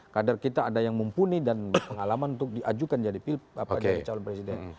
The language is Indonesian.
kader kita ada yang mumpuni dan pengalaman untuk diajukan jadi calon presiden